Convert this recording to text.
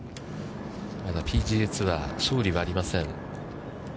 まだＰＧＡツアー勝利はありません。